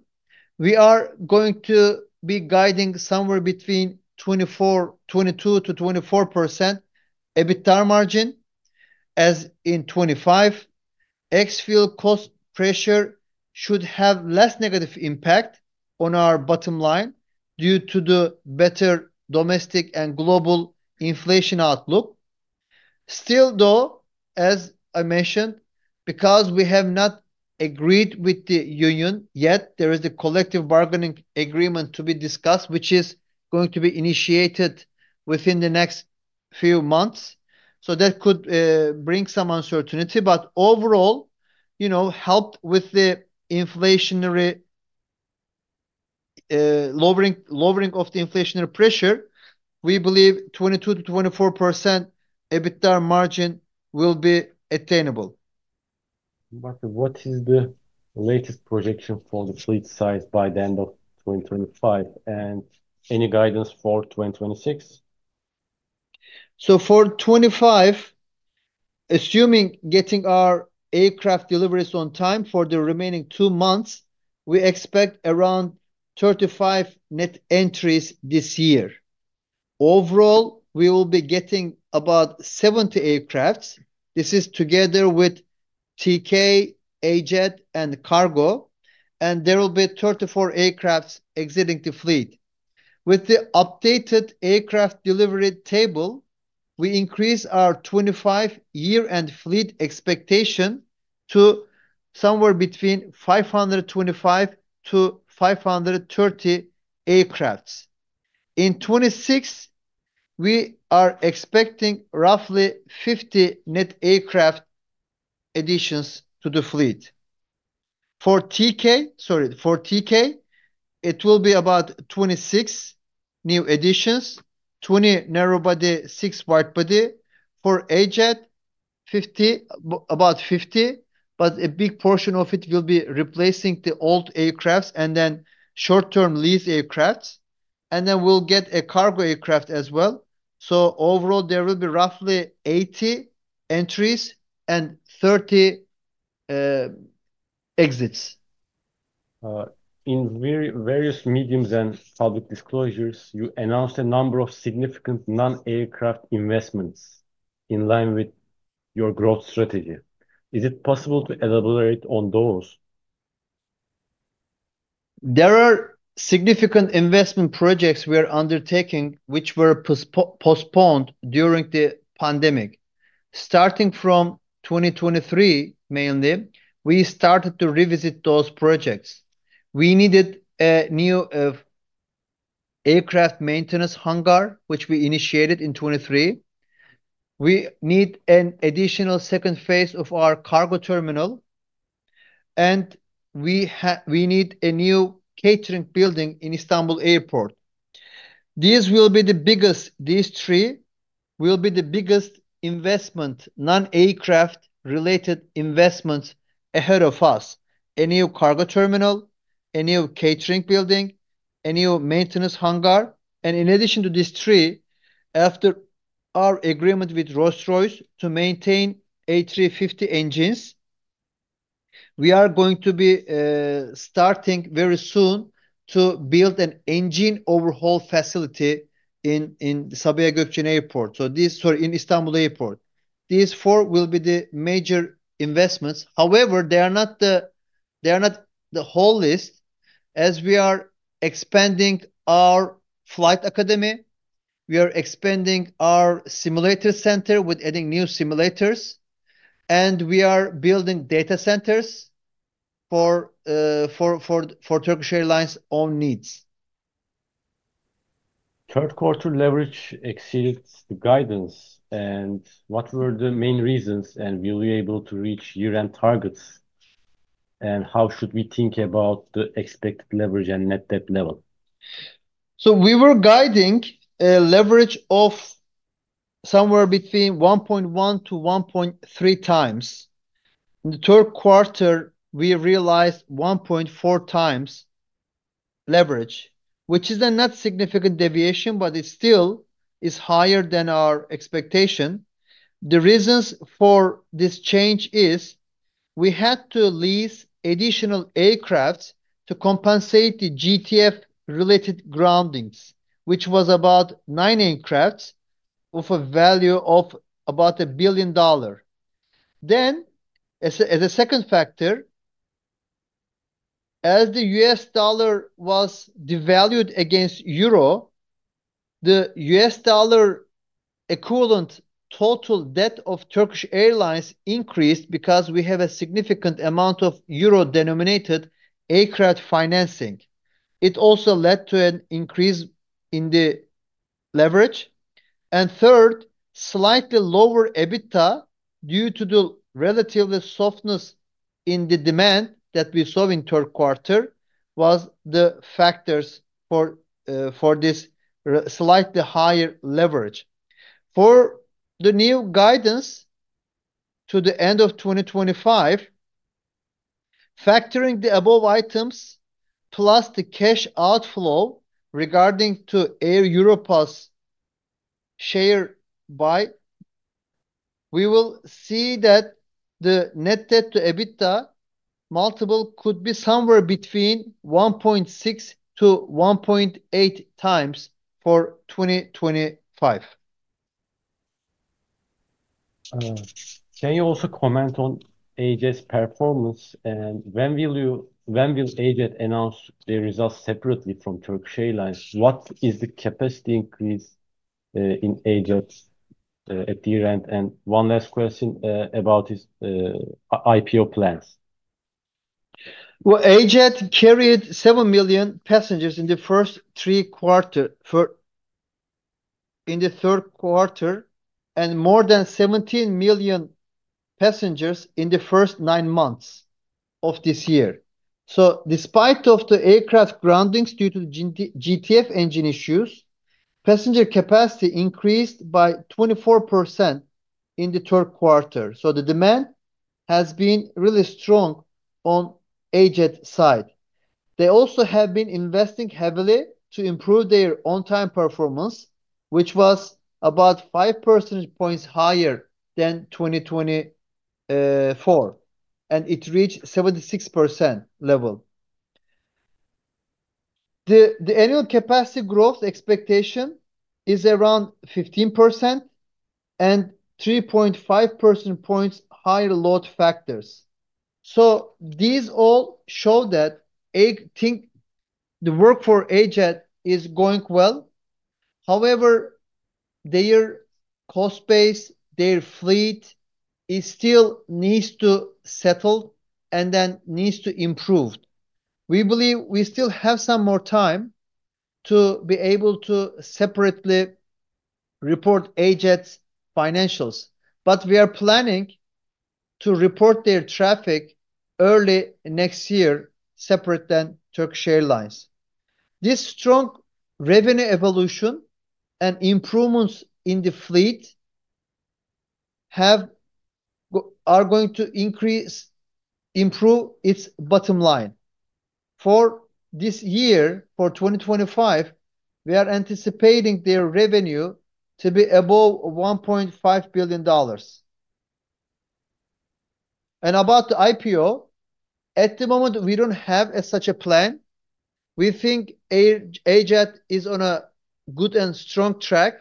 Speaker 2: we are going to be guiding somewhere between 22%-24% EBITDAR margin. As in 2025, ex-fuel cost pressure should have less negative impact on our bottom line due to the better domestic and global inflation outlook. Still, though, as I mentioned, because we have not agreed with the union yet, there is a collective bargaining agreement to be discussed, which is going to be initiated within the next few months. That could bring some uncertainty. Overall, helped with the lowering of the inflationary pressure, we believe 22%-24% EBITDAR margin will be attainable.
Speaker 3: Murat Bey, what is the latest projection for the fleet size by the end of 2025? Any guidance for 2026?
Speaker 2: For 2025, assuming getting our aircraft deliveries on time for the remaining two months, we expect around 35 net entries this year. Overall, we will be getting about 70 aircraft. This is together with TK, AJet, and Cargo. There will be 34 aircraft exiting the fleet. With the updated aircraft delivery table, we increase our 2025 year-end fleet expectation to somewhere between 525-530 aircraft. In 2026, we are expecting roughly 50 net aircraft additions to the fleet. For TK, sorry, for TK, it will be about 26 new additions, 20 narrow-body, 6 wide-body. For AJet, about 50, but a big portion of it will be replacing the old aircraft and then short-term lease aircraft. Then we'll get a cargo aircraft as well. Overall, there will be roughly 80 entries and 30 exits.
Speaker 3: In various mediums and public disclosures, you announced a number of significant non-aircraft investments in line with your growth strategy. Is it possible to elaborate on those?
Speaker 2: There are significant investment projects we are undertaking, which were postponed during the pandemic. Starting from 2023, mainly, we started to revisit those projects. We needed a new aircraft maintenance hangar, which we initiated in 2023. We need an additional second phase of our cargo terminal. We need a new catering building in Istanbul Airport. These will be the biggest, these three will be the biggest investment, non-aircraft-related investments ahead of us: a new cargo terminal, a new catering building, a new maintenance hangar. In addition to these three, after our agreement with Rolls-Royce to maintain A350 engines, we are going to be starting very soon to build an engine overhaul facility in Sabiha Gökçen Airport. Sorry, in Istanbul Airport. These four will be the major investments. However, they are not the whole list. As we are expanding our flight academy, we are expanding our simulator center with adding new simulators. We are building data centers for Turkish Airlines' own needs.
Speaker 3: Third quarter leverage exceeded the guidance. What were the main reasons, and will we be able to reach year-end targets? How should we think about the expected leverage and net debt level?
Speaker 2: We were guiding a leverage of somewhere between 1.1x-1.3x. In the third quarter, we realized 1.4x leverage, which is not a significant deviation, but it still is higher than our expectation. The reasons for this change is we had to lease additional aircraft to compensate the GTF-related groundings, which was about nine aircraft of a value of about $1 billion. As a second factor, as the US dollar was devalued against euro, the US dollar equivalent total debt of Turkish Airlines increased because we have a significant amount of euro-denominated aircraft financing. It also led to an increase in the leverage. Third, slightly lower EBITDA due to the relatively softness in the demand that we saw in the third quarter was the factors for this slightly higher leverage. For the new guidance to the end of 2025, factoring the above items plus the cash outflow regarding to Air Europa's share buy, we will see that the net debt to EBITDA multiple could be somewhere between 1.6x-1.8x for 2025.
Speaker 3: Can you also comment on AJet's performance? When will AJet announce the results separately from Turkish Airlines? What is the capacity increase in AJet at year-end? One last question about its IPO plans.
Speaker 2: AJet carried 7 million passengers in the first three quarters in the third quarter and more than 17 million passengers in the first nine months of this year. Despite the aircraft groundings due to GTF engine issues, passenger capacity increased by 24% in the third quarter. The demand has been really strong on AJet's side. They also have been investing heavily to improve their on-time performance, which was about 5 percentage points higher than 2024, and it reached 76% level. The annual capacity growth expectation is around 15% and 3.5 percentage points higher load factors. These all show that I think the work for AJet is going well. However, their cost base, their fleet still needs to settle and then needs to improve. We believe we still have some more time to be able to separately report AJet's financials. We are planning to report their traffic early next year separate than Turkish Airlines. This strong revenue evolution and improvements in the fleet are going to improve its bottom line. For this year, for 2025, we are anticipating their revenue to be above $1.5 billion. About the IPO, at the moment, we do not have such a plan. We think AJet is on a good and strong track.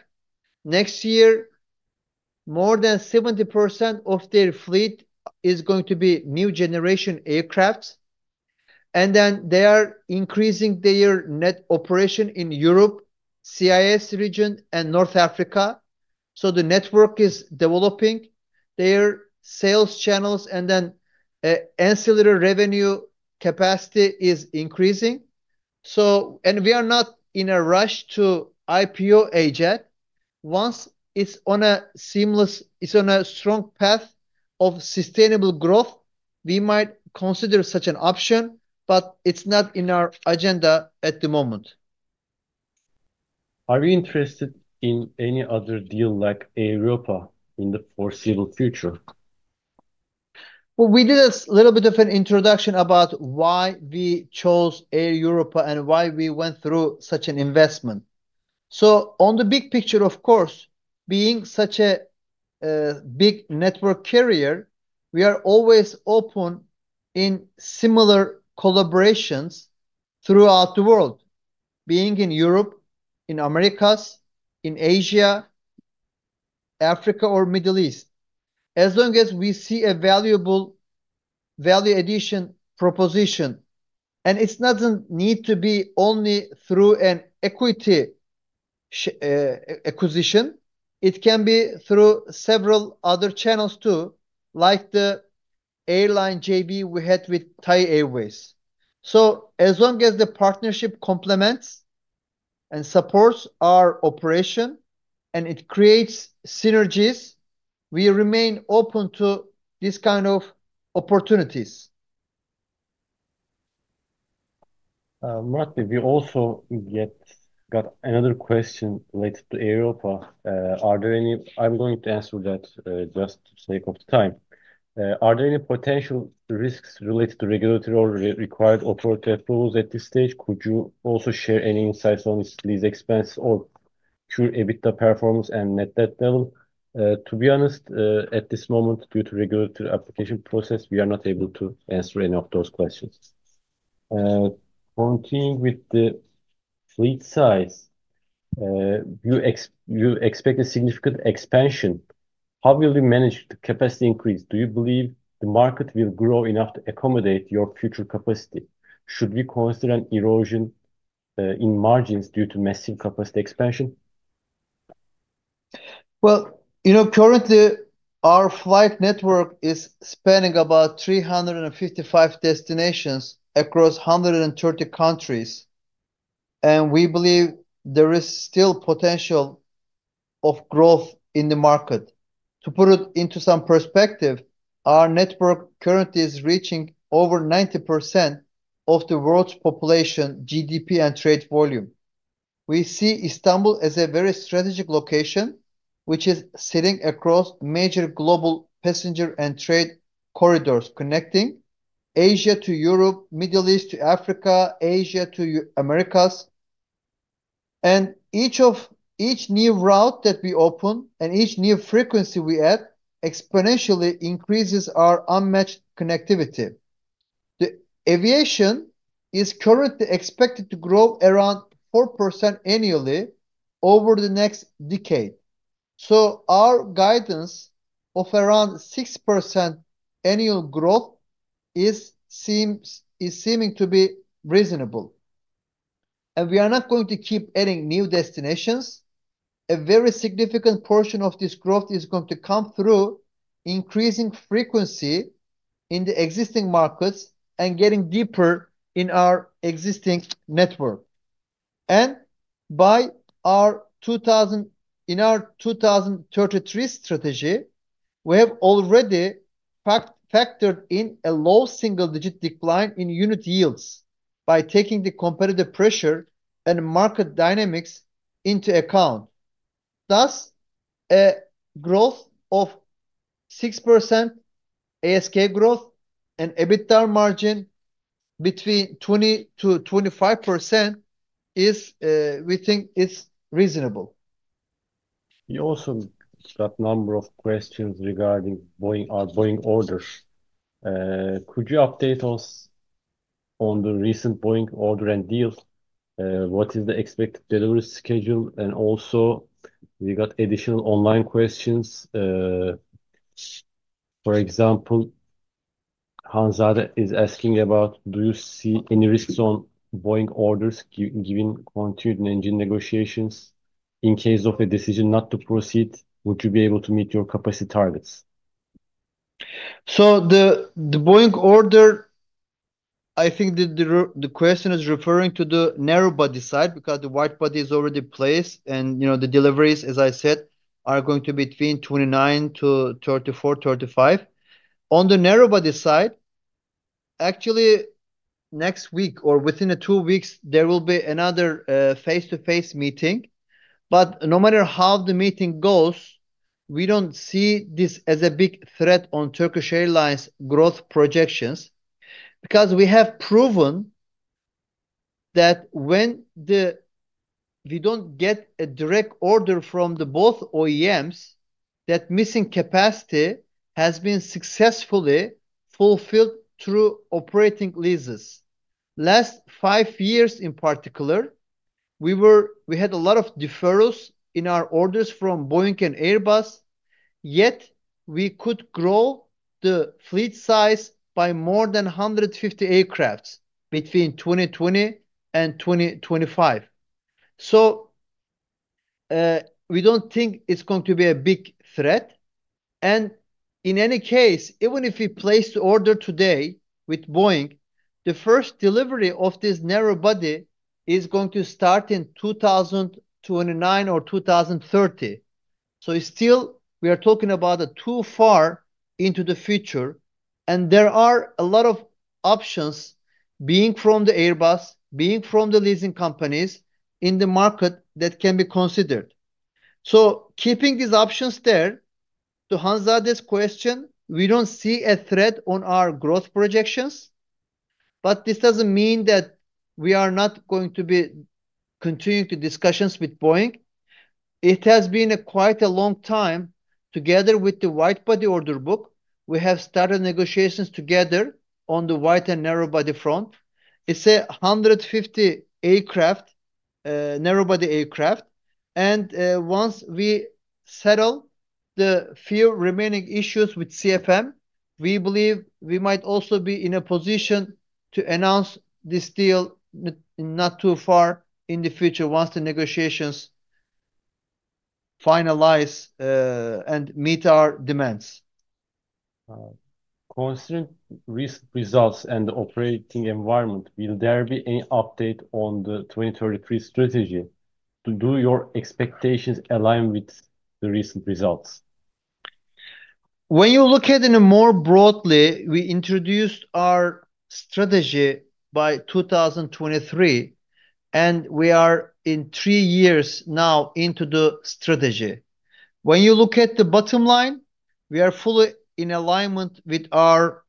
Speaker 2: Next year, more than 70% of their fleet is going to be new generation aircraft. They are increasing their net operation in Europe, CIS region, and North Africa. The network is developing. Their sales channels and ancillary revenue capacity is increasing. We are not in a rush to IPO AJet. Once it is on a seamless, strong path of sustainable growth, we might consider such an option. It is not in our agenda at the moment.
Speaker 3: Are you interested in any other deal like Air Europa in the foreseeable future?
Speaker 2: We did a little bit of an introduction about why we chose Air Europa and why we went through such an investment. On the big picture, of course, being such a big network carrier, we are always open in similar collaborations throughout the world, being in Europe, in Americas, in Asia, Africa, or Middle East, as long as we see a valuable value addition proposition. It does not need to be only through an equity acquisition. It can be through several other channels too, like the airline JV we had with Thai Airways. As long as the partnership complements and supports our operation and it creates synergies, we remain open to these kinds of opportunities.
Speaker 3: Murat Bey, we also got another question related to Air Europa. Are there any—I am going to answer that just to save the time. Are there any potential risks related to regulatory or required authority approvals at this stage? Could you also share any insights on these expenses or pure EBITDA performance and net debt level? To be honest, at this moment, due to the regulatory application process, we are not able to answer any of those questions. Continuing with the fleet size, you expect a significant expansion. How will you manage the capacity increase? Do you believe the market will grow enough to accommodate your future capacity? Should we consider an erosion in margins due to massive capacity expansion?
Speaker 2: Currently, our flight network is spanning about 355 destinations across 130 countries. We believe there is still potential of growth in the market. To put it into some perspective, our network currently is reaching over 90% of the world's population GDP and trade volume. We see Istanbul as a very strategic location, which is sitting across major global passenger and trade corridors connecting Asia to Europe, Middle East to Africa, Asia to Americas. Each new route that we open and each new frequency we add exponentially increases our unmatched connectivity. The aviation is currently expected to grow around 4% annually over the next decade. Our guidance of around 6% annual growth is seeming to be reasonable. We are not going to keep adding new destinations. A very significant portion of this growth is going to come through increasing frequency in the existing markets and getting deeper in our existing network. By our 2033 strategy, we have already factored in a low single-digit decline in unit yields by taking the competitive pressure and market dynamics into account. Thus, a growth of 6% ASK growth and EBITDA margin between 20%-25% is, we think, reasonable.
Speaker 3: You also got a number of questions regarding our Boeing orders. Could you update us on the recent Boeing order and deal? What is the expected delivery schedule? Also, we got additional online questions. For example, Hanzade is asking about, do you see any risks on Boeing orders given continued engine negotiations? In case of a decision not to proceed, would you be able to meet your capacity targets?
Speaker 2: The Boeing order, I think the question is referring to the narrow body side because the wide body is already placed. The deliveries, as I said, are going to be between 2029-2034, 2035. On the narrow body side, actually, next week or within two weeks, there will be another face-to-face meeting. No matter how the meeting goes, we do not see this as a big threat on Turkish Airlines' growth projections because we have proven that when we do not get a direct order from both OEMs, that missing capacity has been successfully fulfilled through operating leases. The last five years, in particular, we had a lot of deferrals in our orders from Boeing and Airbus. Yet we could grow the fleet size by more than 150 aircraft between 2020 and 2025. We do not think it is going to be a big threat. In any case, even if we place the order today with Boeing, the first delivery of this narrow body is going to start in 2029 or 2030. Still, we are talking about too far into the future. There are a lot of options being from Airbus, being from the leasing companies in the market that can be considered. Keeping these options there, to Hanzade's question, we do not see a threat on our growth projections. This does not mean that we are not going to be continuing the discussions with Boeing. It has been quite a long time. Together with the wide body order book, we have started negotiations together on the wide and narrow body front. It is a 150-narrow body aircraft. Once we settle the few remaining issues with CFM, we believe we might also be in a position to announce this deal not too far in the future once the negotiations finalize and meet our demands.
Speaker 3: Considering recent results and the operating environment, will there be any update on the 2033 strategy? Do your expectations align with the recent results?
Speaker 2: When you look at it more broadly, we introduced our strategy by 2023. We are in three years now into the strategy. When you look at the bottom line, we are fully in alignment with our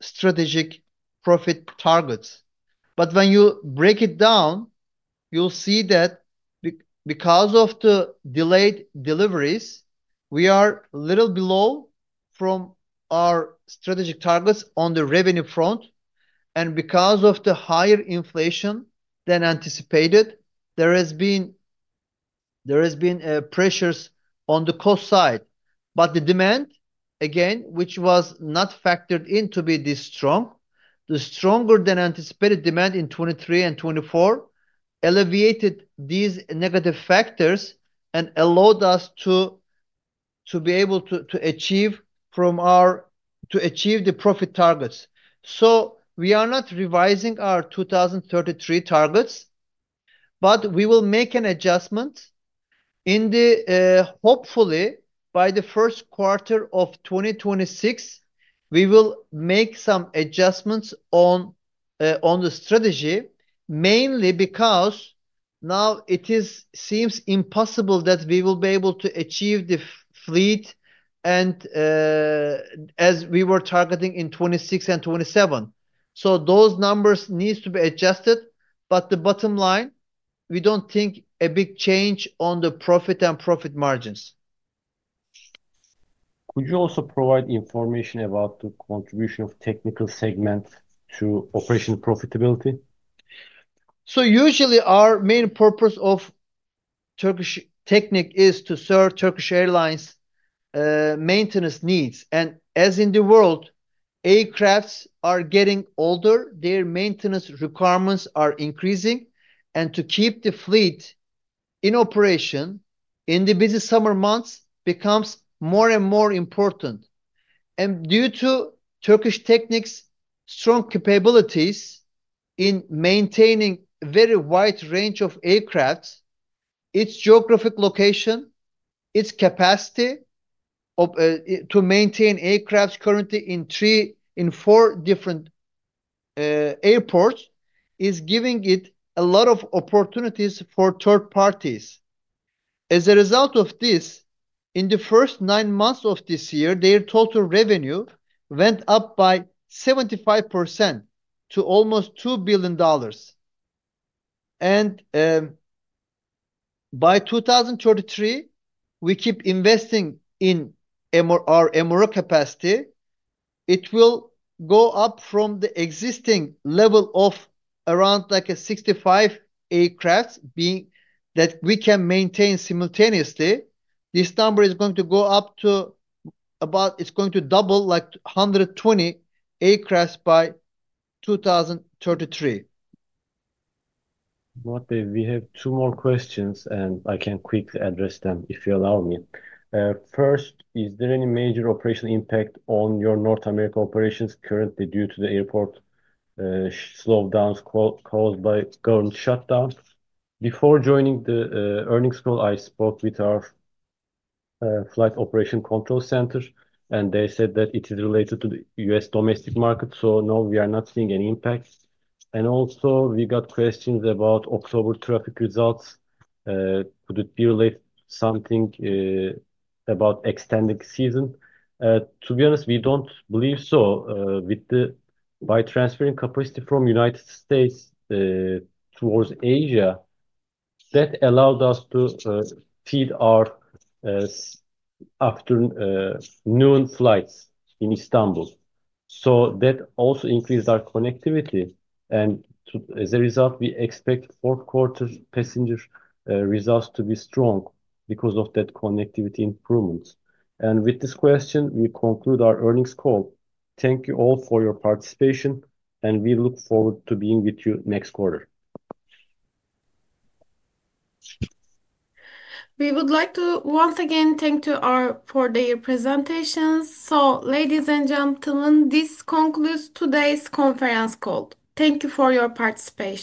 Speaker 2: strategic profit targets. When you break it down, you'll see that because of the delayed deliveries, we are a little below from our strategic targets on the revenue front. Because of the higher inflation than anticipated, there has been pressures on the cost side. The demand, again, which was not factored in to be this strong, the stronger than anticipated demand in 2023 and 2024, alleviated these negative factors and allowed us to be able to achieve the profit targets. We are not revising our 2033 targets, but we will make an adjustment. Hopefully, by the first quarter of 2026, we will make some adjustments on the strategy, mainly because now it seems impossible that we will be able to achieve the fleet as we were targeting in 2026 and 2027. Those numbers need to be adjusted. The bottom line, we do not think a big change on the profit and profit margins.
Speaker 3: Could you also provide information about the contribution of technical segment to operational profitability?
Speaker 2: Usually, our main purpose of Turkish Technic is to serve Turkish Airlines' maintenance needs. As in the world, aircraft are getting older. Their maintenance requirements are increasing. To keep the fleet in operation in the busy summer months becomes more and more important. Due to Turkish Technic's strong capabilities in maintaining a very wide range of aircraft, its geographic location, its capacity to maintain aircraft currently in four different airports is giving it a lot of opportunities for third parties. As a result of this, in the first nine months of this year, their total revenue went up by 75% to almost $2 billion. By 2033, we keep investing in our MRO capacity. It will go up from the existing level of around 65 aircraft that we can maintain simultaneously. This number is going to go up to about, it's going to double, like 120 aircraft by 2033.
Speaker 3: Murat Bey, we have two more questions, and I can quickly address them if you allow me. First, is there any major operational impact on your North America operations currently due to the airport slowdowns caused by government shutdown? Before joining the earnings call, I spoke with our Flight Operation Control Center, and they said that it is related to the U.S. domestic market. So no, we are not seeing any impact. Also, we got questions about October traffic results. Could it be related to something about extending season? To be honest, we do not believe so. By transferring capacity from the United States towards Asia, that allowed us to feed our afternoon flights in Istanbul. That also increased our connectivity. As a result, we expect fourth-quarter passenger results to be strong because of that connectivity improvements. With this question, we conclude our earnings call. Thank you all for your participation, and we look forward to being with you next quarter.
Speaker 1: We would like to once again thank you for the presentations. Ladies and gentlemen, this concludes today's conference call. Thank you for your participation.